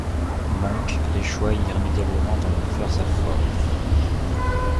Monke l'échoua irrémédiablement dans le Firth of Forth.